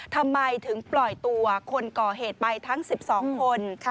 ทำไมถึงปล่อยตัวคนก่อเหตุไปทั้ง๑๒คน